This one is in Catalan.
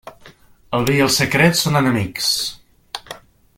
El vi i el secret són enemics.